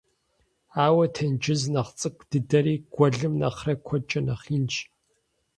Ауэ тенджыз нэхъ цӀыкӀу дыдэри гуэлым нэхърэ куэдкӀэ нэхъ инщ.